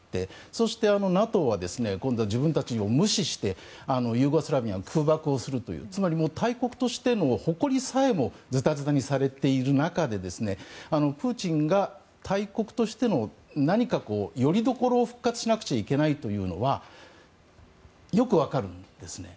そしてＮＡＴＯは今度は自分たちを無視してユーゴスラビアの空爆をするというつまり大国としての誇りさえもズタズタにされている中でプーチンが大国としての何かよりどころを復活しなくちゃいけないというのはよく分かるんですね。